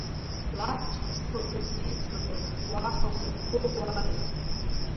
Лаб ԥсыхәак лзиӡбарын, уаҳа узықәгәыӷуадаз.